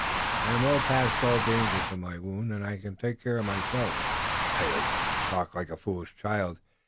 I am well past all danger from my wound, and I can take care of myself." "Tayoga, you talk like a foolish child.